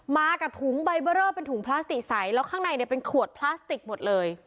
มากับถุงใบเบอร์เรอเป็นถุงพลาสติกใสแล้วข้างในเนี่ยเป็นขวดพลาสติกหมดเลย